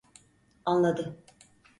Anladı.